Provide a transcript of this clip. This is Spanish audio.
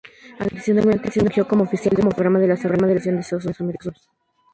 Adicionalmente fungió como oficial de programa en la Organización de Estados Americanos.